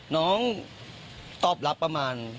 น้องตอบรับประมาณ